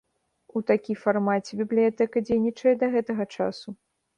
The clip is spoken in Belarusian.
У такі фармаце бібліятэка дзейнічае да гэтага часу.